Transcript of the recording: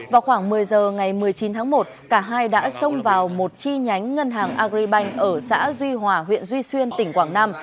vào khoảng một mươi giờ ngày một mươi chín tháng một cả hai đã xông vào một chi nhánh ngân hàng agribank ở xã duy hòa huyện duy xuyên tỉnh quảng nam